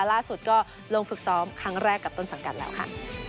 ล่าสุดก็ลงฝึกซ้อมครั้งแรกกับต้นสังกัดแล้วค่ะ